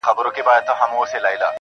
بيا د تورو سترګو و بلا ته مخامخ يمه,